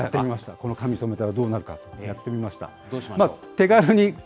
この髪染めたらどうなるか、やっどうしましょう。